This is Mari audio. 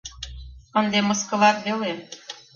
Ынде мыскылат веле!..